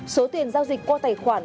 số tiền giao dịch qua tài khoản